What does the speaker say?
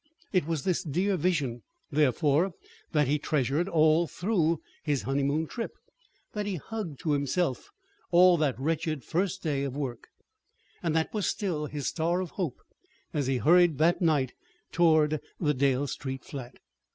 It was this dear vision, therefore, that he treasured all through his honeymoon trip, that he hugged to himself all that wretched first day of work, and that was still his star of hope as he hurried that night toward the Dale Street flat.